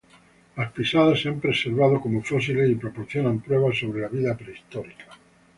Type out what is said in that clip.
Las pisadas se han preservado como fósiles y proporcionan pruebas sobre la vida prehistórica.